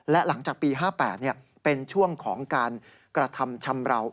และหลังจากปี๕๘เป็นช่วงของการกระทำชำราว